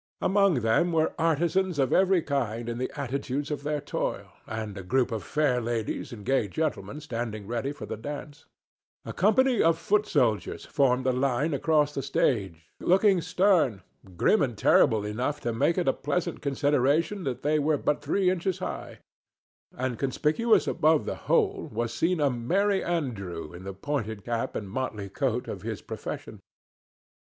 Among them were artisans of every kind in the attitudes of their toil, and a group of fair ladies and gay gentlemen standing ready for the dance; a company of foot soldiers formed a line across the stage, looking stern, grim and terrible enough to make it a pleasant consideration that they were but three inches high; and conspicuous above the whole was seen a Merry Andrew in the pointed cap and motley coat of his profession.